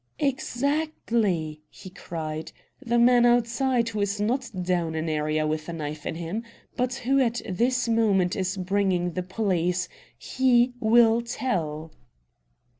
"Exactly!" he cried. "The man outside, who is not down an area with a knife in him, but who at this moment is bringing the police he will tell!"